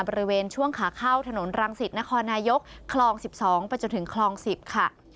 บริเวณช่วงขาเข้าถนนรังสิตนครนายกคลอง๑๒ไปจนถึงคลอง๑๐ค่ะ